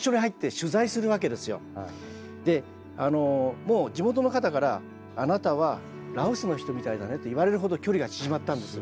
もう地元の方からあなたは羅臼の人みたいだねって言われるほど距離が縮まったんです。